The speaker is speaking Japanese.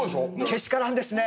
けしからんですね！